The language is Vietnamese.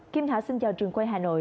kim thảo xin chào trường quay hà nội